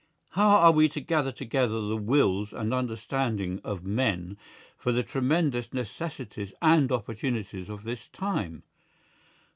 How are we to gather together the wills and understanding of men for the tremendous necessities and opportunities of this time?